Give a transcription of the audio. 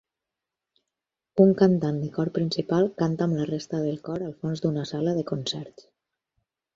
Un cantant de cor principal canta amb la resta del cor al fons d'una sala de concerts